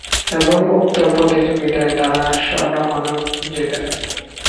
এবং উক্ত প্রতিযোগীতায় তারা স্বর্ণ পদক জেতেন।